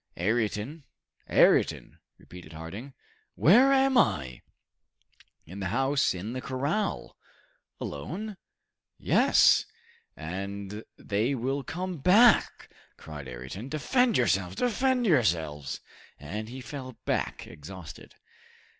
"Ayrton! Ayrton!" repeated Harding. "Where am I?" "In the house in the corral!" "Alone?" "Yes!" "But they will come back!" cried Ayrton. "Defend yourselves! defend yourselves!" And he fell back exhausted.